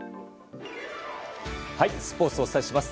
スポーツをお伝えします。